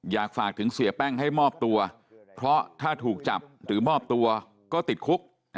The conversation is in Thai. อยากฝากถึงเสียแป้งให้มอบตัวเพราะถ้าถูกจับหรือมอบตัวก็ติดคุก